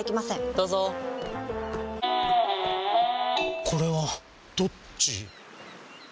どうぞこれはどっち？